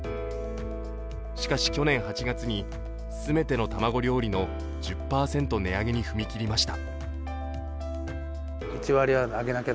しかし去年８月に全ての卵料理の１０％値上げに踏み切りました。